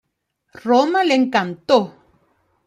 Roma le encantó.